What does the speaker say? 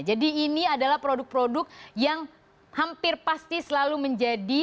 jadi ini adalah produk produk yang hampir pasti selalu menjadi